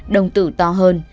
đồng tử to hơn